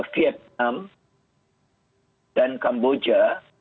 vietnam dan kamboja